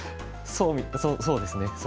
そうみたいそうですね。